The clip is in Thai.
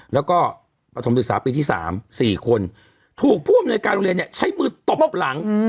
แล้วก็ปฐมศึกษาปีที่๓๔คนถูกผู้อำนวยการโรงเรียนเนี่ยใช้มือตบหลัง